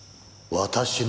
私の。